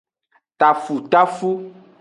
Tafutafu.